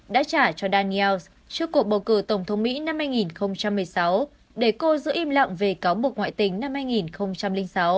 đã trả cho daniels trước cuộc bầu cử tổng thống mỹ năm hai nghìn một mươi sáu để cô giữ im lặng về cáo buộc ngoại tình năm hai nghìn sáu